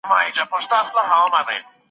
د انسان پوهه د هغه د بريا لامل ده.